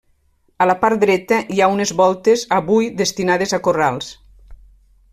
A la part dreta hi ha unes voltes avui destinades a corrals.